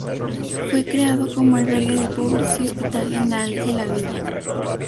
Fue creado como albergue de pobres, y Hospital General de la villa.